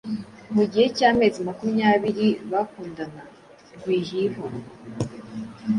Mu gihe cy'amezi makumyabiri bakundana rwihihwa